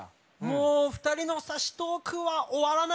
もう２人のサシトークは終わらないね！